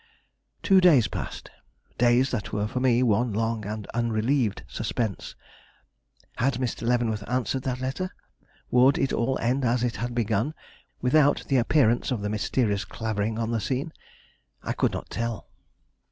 Two days passed; days that were for me one long and unrelieved suspense. Had Mr. Leavenworth answered that letter? Would it all end as it had begun, without the appearance of the mysterious Clavering on the scene? I could not tell.